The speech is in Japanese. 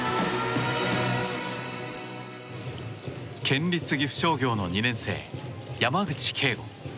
県立岐阜商業の２年生山口恵悟。